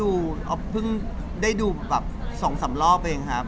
เออยังจริงแล้วพึ่งได้ดูแบบ๒สามรอบเองครับ